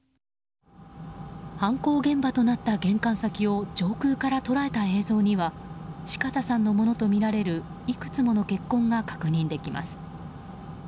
犯行現場となって玄関先を上空から捉えた映像には四方さんのものとみられるいくつもの血痕が確認できます。